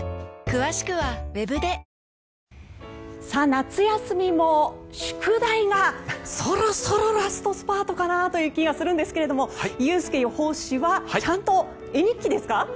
夏休みも宿題がそろそろラストスパートかなという気がするんですが悠介予報士はちゃんと絵日記ですか？